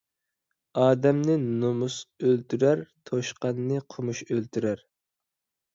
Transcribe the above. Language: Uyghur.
ئادەمنى نومۇس ئۆلتۈرەر، توشقاننى قومۇش ئۆلتۈرەر.